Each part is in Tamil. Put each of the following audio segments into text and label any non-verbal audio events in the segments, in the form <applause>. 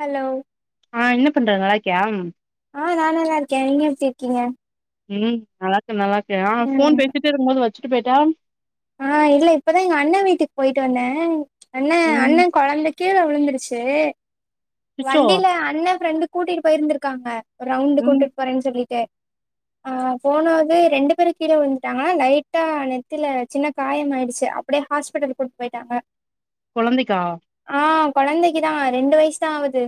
ஹலோ ஆ என்ன பண்ற நல்லாருக்கியா ஆ நா நல்லா இருக்கே நீங்க எப்படி இருக்கீங்க ம் நல்லா இருக்கே நல்லா இருக்கே யா போன் ம் பேசிட்டே இருக்கும் போது வச்சுட்டு போயிட்ட ஆ இல்ல இப்பதா எங்க அண்ண வீட்டுக்கு போயிட்டு வந்தே அண்ணே ம் அண்ண கொழந்தக் கீழே விழுந்துருச்சு சுச்சோ வண்டில அண்ணன் ஃப்ரெண்டு கூட்டிட்டு போயிருந்துருக்காங்க ரவுண்ட் ம் கூட்டு போறேன்னு சொல்லிட்டு ஆ போனாவே ரெண்டு பேரு கீழே வ உழுந்துட்டாங்க லைட்டா நெத்தில சின்ன காயமாயிடுச்சு அப்படியே ஹாஸ்பிட்டலுக்கு கூப்ட்டு போயிட்டாங்க கொழந்தைக்கா ஆ கொழந்தைக்குதா ரெண்டு வயசு தா ஆகுது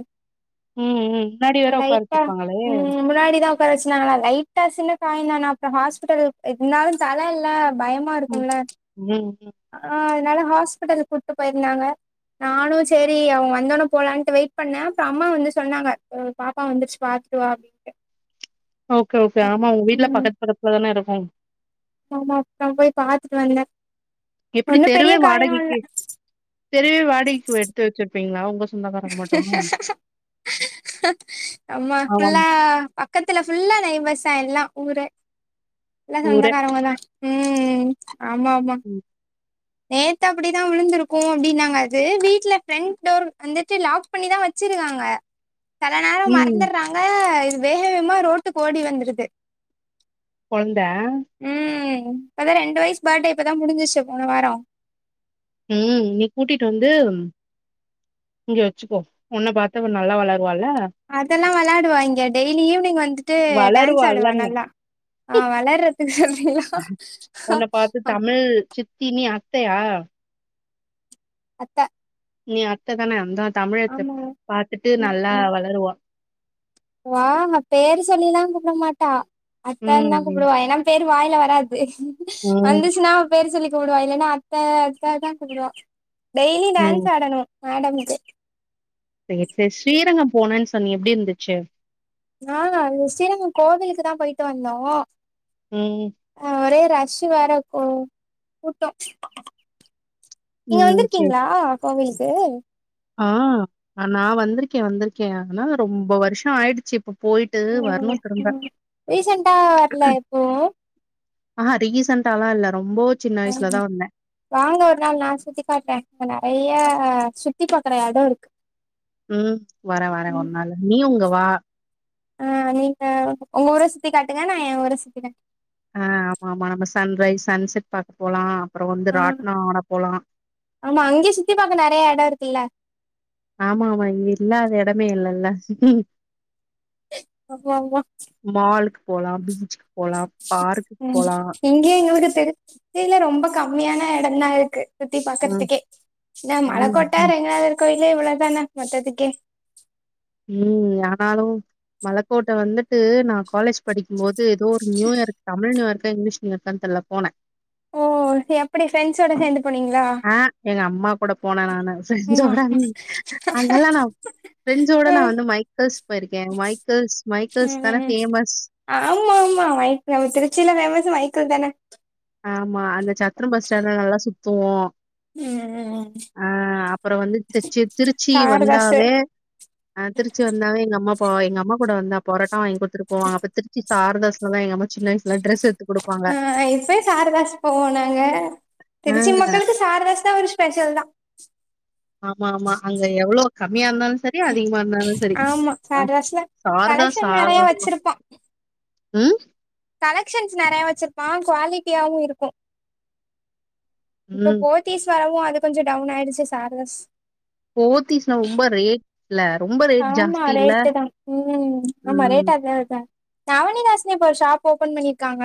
ம் ம் முன்னாடி வேற உக்கார லைட்டா வச்சிருப்பாங்களே ம் முன்னாடி தா பேசினாங்களா லைட்டா சின்ன காயந்தான அப்புற ஹாஸ்பிடல் இருந்தாலும் தல இல்ல பயம் மா ம் இருக்கும்ல ம் ஆ அதனால ஹாஸ்பிட்டலுக்கு கூப்டு போயிருந்தாங்க நானு செரி அவுங்க வந்தோன்ன போலான்ட்டு வெயிட் பண்ணே அப்றொ அம்மா வந்து சொன்னாங்க பாப்பா வந்துருச்சு பாத்ட்டுவா ஓக்கே ஓக்கே ஆமா உங்க வீட்லா ம் பக்கத்து பக்கத்துலதான இருக்கு ஆமா நா போய் பாத்துட்டு வந்தே ஒன்னும் பெரிய காயோ இல்ல தெரியவே வாடைகைக்கு எட்த்து வெச்சிருப்பீங்ளா உங்க சொந்தக்காரங்க மட்டு நம்ம ஆமாம் ஃபுல்லா பக்கத்துல ஃபுல்லா நைபர்ஸ்தா எல்லா ஊரே எல்லா ஊரே சொந்தக்காரவுங்க தா ம் ஆமாமா ம் நேத்து அப்படிதா விழுந்திருக்கு அப்டின்னாங்க அது வீட்ல ஃபிரண்ட் டோர் வந்துட்டு லாக் பண்ணிதா வெச்சிருக்காங்க செல நேரோ ம் மறந்தர்றாங்க இது வேக வேமா ரோட்டுக்கு ஓடி வந்துருது கொழந்த ம் இப்பதா ரெண்டு வயசு பர்ட்டே இப்பதா முடிஞ்சிச்சு போன வாரோ ம் இன்னைக் கூட்டிட்டு வந்து இங்க வெச்சுக்கோ ஒன்ன பாத்து நல்லா வளருவால அதெல்லா வெளாடுவா இங்க டெய்லி ஈவ்னிங் வந்துட்டு டான்ஸ் ஆடுவா வளருவால்லன் நல்லா ஆ வளர்ற <unintelligible> ம் சித் சி நீ அத்தையா அத்த நீ அத்ததானே அந்த தமிழத்த ஆமா. பாத்துட்டு ம், நல்லா ம். வளருவா வா பேரு சொல்லில்லா கூப்ட மாட்டா அத்தன் தா ம் கூப்டுவா ஏனா பேரு வாயில வராது ம் வந்துச்சுனா பேர் சொல்லி கூப்டுவா இல்லன்னா அத்த அத்தன் தா கூப்புடுவா டெய்லி ம் டேன்ஸ் ஆடணு மேடம்க்கு சேர் சேர் ஸ்ரீரங்கம் போனேன் சொன்னியே எப்டி இருந்துச்சு நானா ஸ்ரீரங்கம் கோவிலுக்கு தா போயிட்டு வந்தோ ம் அ ஒரே ரஷ்ஷு வேற போ கூட்டோ நீங்க ம் சரி வந்திருக்கீங்ளா கோவிலுக்கு ஆ நா வந்திருக்கே வந்திருக்கே ஆனா ரொம்ப வருஷ ஆயிடுச்சு இப்ப போயிட்டு ம் வரணு திரும்ப ம் ரீசெண்டா வரல எப்பவும் ஆ ரீசன்ட்டாலா இல்ல ரொம்போ ம்ஹும் வாங்க ஒரு நாள் நா சுத்தி காட்றே இங்க நெறையா சுத்தி பாக்குற எடோ இருக் ம் வரே வரே ஒரு நாள் நீயு உங்க வா ஆ நீங்க உங்க ஊர சுத்தி காட்டுங்க நா எ ஊர சுத்தி காட் ஆ ஆமாமா நம்ம சன்ரைஸ் சன்செட் பாக்க போலா அப்பற வந்து ராட்ன ஆட போலா ஆமா அங்கே சுத்தி பாக்க நெறய எடோ இருக்குல்ல ஆமாமா இங்க இல்லாத எடமே இல்லல்ல ஆமாமா மால்க்கு போலா பீச்சுக்கு போலா பார்க்குக்கு போலா ஏ எங்க ஊரு திரு ச்சில ரொம்ப கம்மியான எடந்தா இருக்கு சுத்தி ம் பாக்கறதுக்குே என்ன மல ம் கோட்ட ம் ரெங்கநாதர் கோயிலு இவ்ளோ தானா மொத்ததுக்கே ம் ஆனாலு மலக்கோட்ட வந்துட்டு நா காலேஜ் படிக்கும்போது ஏதோ ஒரு நியூயருக் தமிழ் நியூயருக்கா இங்கிலீஷ் னுக்கான் தெர்ல்ல போன ஓ எப்புடி பிரண்ஸ்ஸோட சேந்து போனீங்களா ஆ எங்க அம்மா கூட போன நானு ஆமா ப்ரண்ஸோட அங் அங்கல்லா நா ஃப்ரெண்ட்ஸோட நா வந்து மைக்கேல்ஸ் போயிருக்கே மைக்கள்ஸ் மைக்கள்ஸ் தன ஃபேமஸ் ஆம்மா ஆம்மா மைக்கல் திருச்சில ஃபேமஸ் மைக்கிள் தன ஆம்மா அந்த சத்திர பஸ் ஸ்டாண்ட்ட நல்லாசுத்துவோ அ அப்பற வந்து திருச் திருச்சி சாரதாசு வந்தாவே ஆ திருச்ச வந்தாவே எங்க அம்மா ப்போ எங்க அம்மா கூட வந்தா போரட்டா வாங்கி குடுத்துட்டு போவாங்க அப்ப திருச்சி சாரதஸ்தால எங்கம்மா சின்ன வய்ஸ்ல ட்ரெஸ் எட்த்து குடுப்பாங்க ஆ இப்பயு சாரதாஸ் போவோ நாங்க ஆ திருச்சி மக்களுக்கு சாரதாஸ் நா ஒரு ஸ்பெஷல் தா ஆம்மா ஆம்மா அங்க எவ்வளோ கம்மியார்ந்தாலு சர் கே அதிகமா இர்ந்தாலு சரி ஆமா சாரதாஸ்ல சாரதாஸ் கலெக்ஷன் நெறைய சாரதாஸ் தா வச்சிருப்பா ம் கலெக்க்ஷன்ஸ் நறய வச்சிருப்பாங்க குவாலிட்டியாவு இருக்கூ இப்ப ம். போத்தீஸ் வரவு அது கொஞ்ச டவுன் ஆயிடுச்சு சாரதஸ் போத்தீஸ்ன ரொம்ப ரேட் இல்ல ரொம்ப வெ ஆம்மா ரேட்டுதா ம் ஆம்மா ம், ரேட்டு அத்தாஅத்தா நவனிதாஸ்னு இப்ப ஒரு ஷாப் ஓப்பன் பண்ணிர்க்காங்க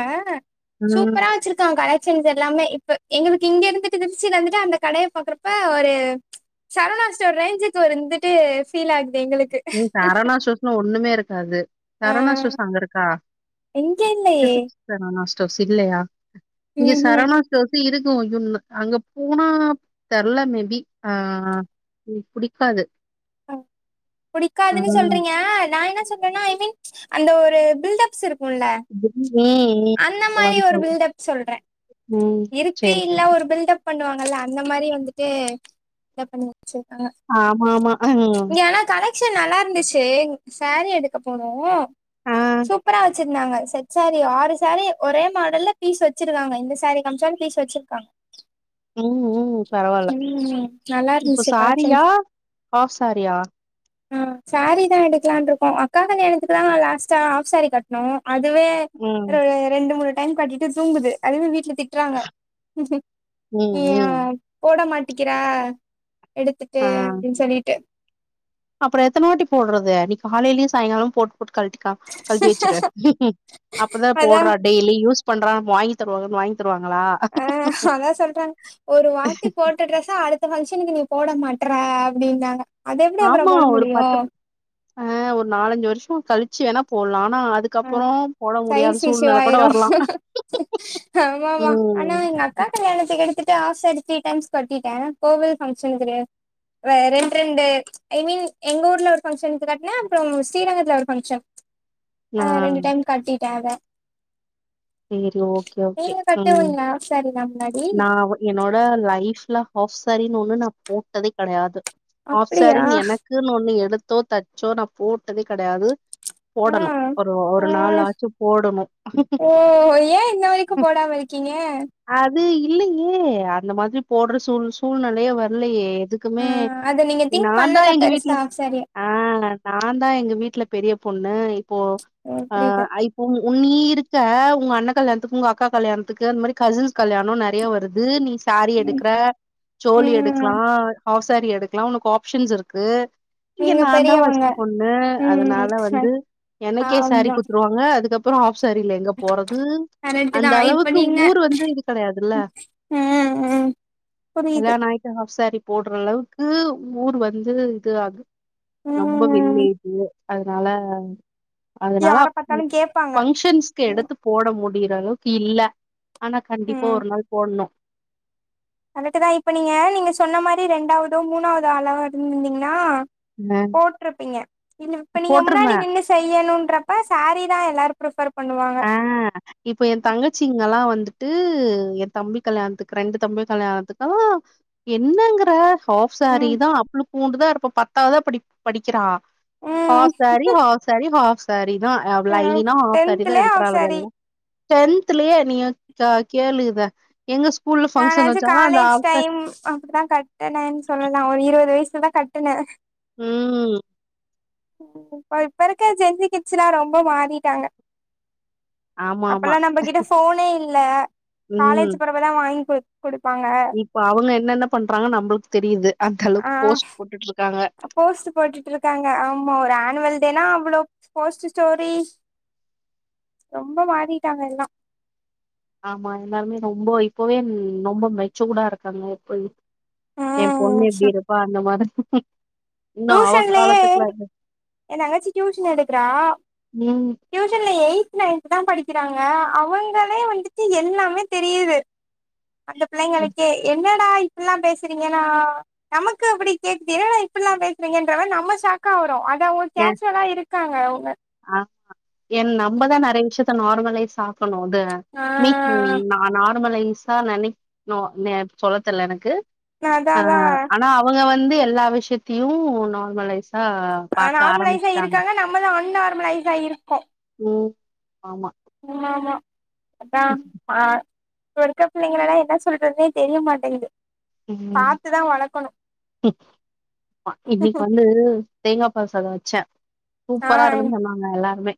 ம். சூப்பரா வச்சிருக்காங் கலெக் செஞ்சுர்ல்லாமே இப்ப எங்களுக்கு இங்க இருந்துட்டு திருச்சில இருந்துட்டு அந்த கடய பாக்கறப்ப ஒரு சரவணாஸ்டோர் ரேஞ்சுக்கு ஒரு இந்துட்டு ஃபீல் ஆகுது எங்களுக் ம் சரவணா ஸ்டோர்ஸ்ல ஒண்ணுமே இருக்காது சரவணா ஸ்டோர்ஸ் அங்கருக்கா இங்கல்லயே சரவணா ஸ்டோர்ஸ் இல்லயா இங்க ம்ஹும் சரவணா ஸ்டோர்ஸ்ஸு இருக்கூ யோன்னு அங்க போனா தெர்ல மேபி அ ம் புடிக்காது ஆ புடிக்காதுன்னு ம் சொல்றீங்க நா என்ன சொல்றன்னா ஐ மீன் அந்த ஒரு பில்டப்ஸ் இருக் குல்ல ம் அந்த இந்த மாரி ஒரு சொல்ற பில்டப் சொல்றே ம் இருக்கு சரி இல்ல ஒரு பில்டப் பண்ணுவாங்கல்ல அந்த மாரி வந்துட்டு இதபண்ணி வச்சிருக்காங்க ஆமா ஆமா ம் இங்க ஆனா கலெக்ஷன் நல்லார்ந்துச்சு சாரீ எடுக்க போனோ ஆ சூப்பரா ச்சுர்ந்தாங்க செட் சாரி ஆறு சாரி ஒரே மாடல்ல பீஸ் வச்சிருக்காங்க இந்த சாரி காம்ச்சாலு பீஸ் வச்சிருக்காங்க ம் ம் பரவால ம் நல்லா இப்ப இருந்துச்சு சாரியா கலெக்ஷன்ஸ் ஹாஃப் சாரியா ம் சாரி தா எடுக்கலான்ருக்கோ அக்கா கல்யாணத்துக்குதா லாஸ்டா ஃஹாப்சாரி கட்னோ அதுவே ம் ரெ ரெண்டு மூணு டைம் கட்டிட்டு தூங்குது அதுவே வீட்ல திட் றாங்க ம் நீ ஏ ம் போட மாட்டிக்கிற எடுத்துட்டு அப்டின் சொல்லீட்டு அப்பறோ எத்தனாட்டி போட்றது நீ காலைலியு சாய்ங்காலோ போட் போட்டு கழட்டி க கழ்ட்டி வச்சுறே அப்பதா அதா போட்றா டெய்லி யூஸ் பண்றா வாங்கி தருவாங்க வாங்கி தருவாங்களா அ அதா சொல்றங்க ஒரு வாட்டி போட்ட ட்ரெஸ்ஸா அடுத் த்த பங்க்ஷனுக்கு நீ போட மாட்ற அப்டின்னாங்க அத எப்டி அப்பற போடமுடியு ஆ ஒரு நாலஞ்சு வர்ஷோ கழிச்சு வேணா போட்லா ஆனாஅது ஆ கப்பறோ சைஸ் போடமுடியாத இஷ்யூ சூழ்நலை கொட ஆயிரு வர்லா அ ஆமாமா ஆனா ம் எங்க அக்கா கல்யாணத்துக்கு எடுத்துட்டு ஆஃப் சேரி த்ரீ டைம்ஸ் கட்டிட்டே போவது பங்க்ஷனுக்கு வேற் வே ரெண்டு ரெண்டு ஐ மீன் எங்க ஊர்ல ஒரு ஃபங்க்ஷன்க்கு கட்டுனே அப்றோ ஸ்ரீரங்கத்துல ஒரு பங்க்ஷன் ஆ ரெண்டு டைம் கட்டிட்டே அத செரி ஓகே ஓகே ம் செரி நா முன்னாடி நா என்னோட லைஃப்ல ஹாப் சேரின்னு ஒண்ணு நா போட்டதே கடையாது ஹாப் அப்டியா சேரின் எனக்கு னக்குனு ஒண்ணு எடுத்தோ தச்சோ நா போட்டதே கெடையாது ஆ போடணு ஒரு ஆ ஒரு நாளாச்சு போடணு துக்கு போடாம இருக்கிங்க இது இல்லயே அந்த மாதிரி போடுற சூழ் சூழ்நிலையே வரலயே எதுக் ஆ க்குமே அத நீங்க திங்க் நாந்தா பண்ணல எங்க வீட்ல பெருசா ஆஃப் சாரிய ஆ நா தா எங்க வீட்ல பெரிய பொண்ணு இப்போ ஓ ஆ புரியுது ஐ உ உன் நீ இருக்க உங்க அண்ணன் கல்யாணத்துக்கு உங்க அக்கா கல்யாணத்துக்கு அந்த மாரி கசின்ஸ் கல்யாணோ நெறைய வருது நீ சேரி ம் எடுக்குற சோளி ம் எடுக்கலா ஹாப் சேரி எடுக்கலா உனக்கு ஆப்ஷன்ஸ் இருக்கு இங்க நீங்க நா தா பெரியவங்க ஃபஸ்ட் பொண்ணு ம் அதுனால வந்து எனக்கே சேரி ஆமா குத்துருவா ங்க அதுக்கப்றோ ஹாப் சேரில எங்க போறது கரெக்ட் தா அந்த இப்ப அளவுக்கு நீங்க ஊர் வந்து கெடையாதுல ம் ம் புரியுது கல்யாண ணாய்ட்டு ஹாப் சேரி போடுற அளவுக்கு ஊர் வந்து இது ஆ ரொம்ப ம் வில்லேஜ் அதுனால அதுனால யார பாத்தாலு கேப்பாங்க பங்கஷன்ஸ்கு எடுத்து போட முடியிற அளவுக்கு இல்ல ஆனா கண்டிப்பா ம் ஒரு நாள் போடணு கரெக்டுதா இப்ப நீங்க நீங்க சொன்ன மாரி ரெண்டாவதோ மூணாவது ஆளாவோ இருந்திருந்தீன்னா அ போட்ருப்பீங்க இ இப்ப நீங்க முன்னாடி போட்டுருவேன். நின்னு ஸ் செய்யணுன்றப்ப சேரி தா எல்லாரு பிரிஃபர் பண்ணுவாங்க ஆ இப்ப ஏ தங்கச்சிங்கல்லா வந்துட்டு ஏ தம்பி கல்யாணத்துக்கு ரெண்டு தம்பி கல்யாணத்துக்கும் என்னங்கிற ஹாப் ம் சேரிதா அவ்ளோ பூண்டுதா இருப்பா பத்தாவதுதா படி படிக்கிறா ம் half sari half sari half sari தா லைனா ஹாஃப் சேரி தா டென்த்லயே எடுத் ஆஃப் சாரி டென்த்லயே நீ ஆ கேளு இத எங்க ஸ்கூல்லு நானாச்சு காலேஜ் டைம் அப்டிதா கட்டினேன்னு சொல்லலா ஒரு இருவது வயசுலதா கட்டுனே ம் இப்ப இப்ப இருக்க ஜென்ரி கிட்ஸ்சல்லா ரொம்ப மாறிட்டாங்க ஆமாமா. அப்பல்லா நம்மகிட்ட ஃபோனே இல்ல ம். காலேஜ் போறவதா வாங்கி குடு குடுப்பாங்க இப்ப அவுங்க என்னென்ன பண்றாங்கு நம்மளுக்கு தெரியுது அந்த ஆ அளவுக்கு போஸ்ட் போட்டுட்டு இருக்காங்க போஸ்ட் போட்டுட்டு இருக்காங்க ஆமா ஒரு ஆனுவல் டேனா அவ்ளோ போஸ்ட் ஸ்டோரி ரொம்ப மாறிட்டாங்க எல்லா ஆமா எல்லாருமே ரொம்ப இப்பவே ரொம்ப மெச்சுடா இருக்காங்க இப்ப ஏ ம் பொண்ணு எப்டி இருப்பா அந்த மாதிரி இன்னு அவ டியூஷன்லயே காலத்துக்குள்ள ஏ தங்கச்சி டியூஷன் எடுக்குறா ம் டியூஷன்ல எயித் நயன்த் தா படிக்கிறாங்க அவங்களே வந்துட்டு எல்லாமே தெரியுது அந்த பிள்ளைங்களுக்கே என்ன என்னடா இப்பில்லா பேசறீங்கனா நமக்கு அப்டி கேக்குது என்னடா இப்பில்லா பேசறீங்கன்ற மாரி நம்ம ஷாக்கு க்காவரோ அத அவுங்க கேஸ்வலா இருக்காங்க அவுங்க ஆமா என் நம்மதா நெறய விஷயத்த நார்மலைஸ் ஆக்கணு அது மீ ஆ ம் நா நார்மலைஸா நெனைக்கணு நோ சொல்ல தெர்ல எனக்கு அதா அ அதா ஆனா அவுங்க வந்து எல்லா விஷயத்திலியு நார்மலைஸ் அ பாக்க நார்மலைஸ் ஆரம்பிஷ்ட்டாங்க ஆயிருக்காங்க நம்மதா அன்நார்மலைஸ்சா இருக்கோ ம் ஆமா ஆமா ஆமா அதா ஆ இப்ப இருக்க பிள்ளைங்களலா என்ன சொல்றதுன்னே தெரியமாட்டேங்குது ம் இன்னிக்கு வந்து தேங்கா பால் சாதம் வச்ச ஆ சூப்பரா இருக்குனு சொன்னாங்க எல்லாருமே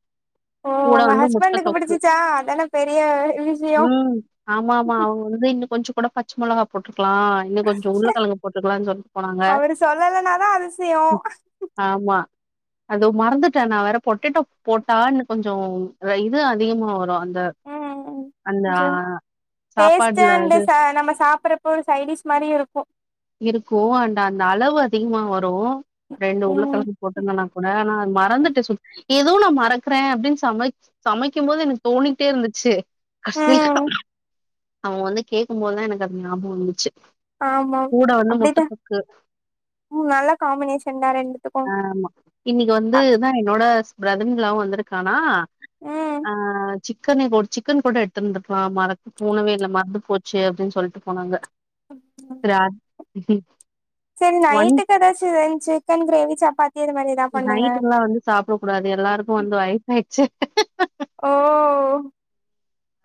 ஓ கூட உங்க வந்து முட்ட ஹஸ்பண்டுக்கு தொக்கு பிடிச்சிச்சா அதான பெரிய விஷயோ ம் ஆமா ஆமா அவுங்க வந்து இன்னு கொஞ்ச கூட பச்ச மொளகா போட்டுக்கலா இன்னு கொஞ்ச உருளகெழங்கு போட்டுருக்கலானு சொல்ட்டு போனாங்க அவரு சொல்லலனாதா அதிசயோ ஆமா அது மறந்துட்ட நா வேற பொட்டேட்டோ போட்டா இன்னு கொஞ்சோ இது அதிகமா வரு அந்த ம் அந்த ஆ, கொஞ்சோ டேஸ்டு சாப்பாடுல அண்டு அது நம்ம சாப்பறப் ஒரு சைடிஷ் மாரி இருக்கு இருக்கு அண்ட் அந்த அளவு அதிகமா வரு ரெண்டு ம் உருளகெழங்கு போட்டுருந்தனா கூட ஆனா மறந்துட்ட சுத் எதோ நா மறக்கற அப்டினு சமைச் சமைக்கு போது எனக்கு தோனிகிட்டே இருந்துச்சு கடசில ம் அவுங்க வந்து கேக்கும்போதுதா எனக்குஅது ஞாபகோ வந்துச்சு ஆமா கூட வந்து முட்ட அப்டிதா தொக்கு ம் நல்ல காம்பினேஷன் தா ரெண்டுத்துக்கு ஆமா இன்னைக்கு வந்துதா என்னோட பிரதர் இன்லாவு வந்துருக்கானா அ சிக்கனே போ சிக்கன் கூட எடுத்ருந்துக்கலா மறந் தோணவே இல்ல மறந்துபோச்சு அப்டின்னு சொல்ட்டு போனாங்க ராப் சேரி நைட்டுக்கு எதாச்சு சிக்கன் கிரேவி சப்பாத்தி அது மாரி ஏதா பண்ணுங்க நைட்டுக்குலா வந்து சாப்ட கூடாது எல்லாருக்கு வந்து வயிசு ஆய்ச்சு ஓ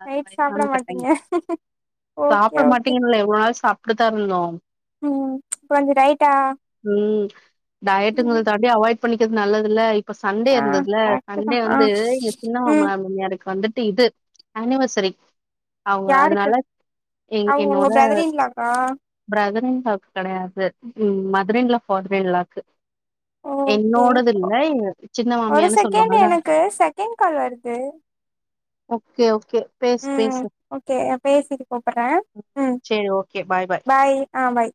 அது நைட் சாப்ட வயசான கட்டைங் மாட்டீங்க ஓகே சாப்பட ஓகே மாட்டீங்கனுல்ல எவ்ளோ வேண் சாப் இப்டிதா வேணு ம் கொஞ்சோ ரைட்டா ம் டைட்டுங்க இப்டே அவாய்ட் பண்ணிக்கது நல்லது இல்ல இப்ப சண்டே ஆ இருந்ததுல்ல கரெக்ட் தா சண்டே ஆ வந்து எங்க சின்ன மாமா ம் மாமியாருக்கு வந்துட் இது அனிவர்செரி அவுங்க யாருக்கு அதனால எ அவங்க உங்க என்னோட பிரதர் இன் லாவா பிரதர்இன்லாக்கு கெடையாது ம் மதர்இன்லா ஃபாதர்இன்லாக்கு ஓகே என்னோடது இல்ல எங்க ஒரு சின்னமாமியானு செகண்ட் சொல்வாங்கல்ல எனக்கு செகண்ட் கால் வருது ஓகே ஓகே பேசு ம் பேசு ஓகே பேசிட்டு கூப்பட்றே ம் சேர் ஓகே பாய் பாய் ஆ பாய்